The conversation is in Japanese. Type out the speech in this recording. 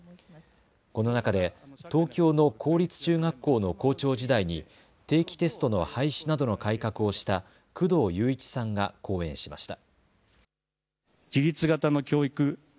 この中で東京の公立中学校の校長時代に定期テストの廃止などの改革をした工藤勇一さんが講演しました。